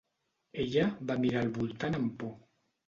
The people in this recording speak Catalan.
Ella va mirar al voltant amb por.